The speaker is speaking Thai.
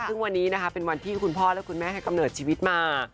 ซึ่งวันนี้นะคะเป็นวันที่คุณพ่อและคุณแม่ให้กำเนิดชีวิตมา